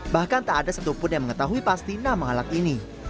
bahkan tak ada satupun yang mengetahui pasti nama alat ini